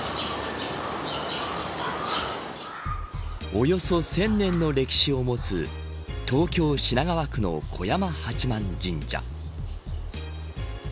およそ１０００年の歴史を持つ東京、品川区の小山八幡神社。